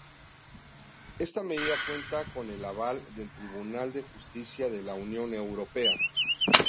Esta medida cuenta con el aval del Tribunal de Justicia de la Unión Europea.